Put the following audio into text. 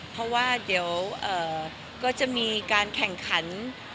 เพราะว่าเดี๋ยวก็จะมีการแข่งขัน